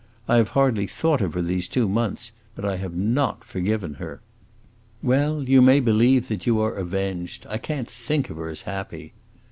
I have hardly thought of her these two months, but I have not forgiven her." "Well, you may believe that you are avenged. I can't think of her as happy."